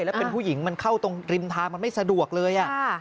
แล้วเป็นผู้หญิงมันเข้าตรงริมทางมันไม่สะดวกเลย